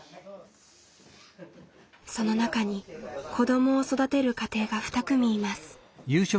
その中に子どもを育てる家庭が２組います。